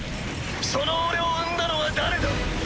その俺を生んだのは誰だ？